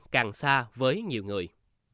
càng xa với nhiều người